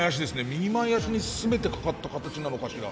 右前足に全てかかった形なのかしら。